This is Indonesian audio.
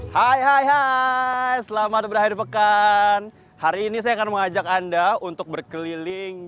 hai hai hai selamat berhari pekan hari ini saya akan mengajak anda untuk berkeliling